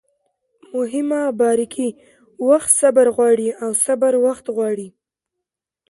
مهمه باریکي: وخت صبر غواړي او صبر وخت غواړي